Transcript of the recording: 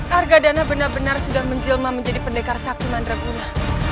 harga dana benar benar sudah menjelma menjadi pendekar sakti mandraguna